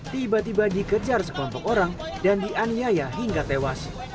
tiba tiba dikejar sekelompok orang dan dianiaya hingga tewas